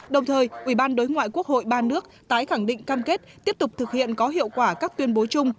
đồng thời ủy ban đối ngoại quốc hội ba nước tái khẳng định cam kết tiếp tục thực hiện có hiệu quả các tuyên bố chung